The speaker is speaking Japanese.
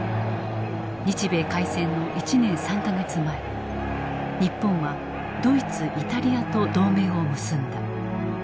日米開戦の１年３か月前日本はドイツイタリアと同盟を結んだ。